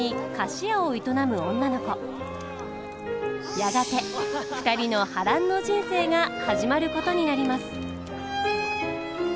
やがて２人の波乱の人生が始まることになります。